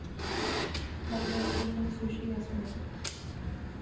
La creación de sushi es un arte.